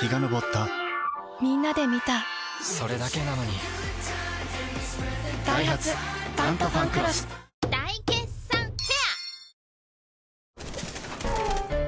陽が昇ったみんなで観たそれだけなのにダイハツ「タントファンクロス」大決算フェア